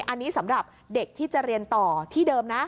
อันนี้สำหรับเด็กที่จะเรียนต่อที่เดิมนะ